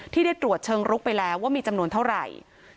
ที่ได้ตรวจเชิงลุกไปแล้วว่ามีจำนวนเท่าไหร่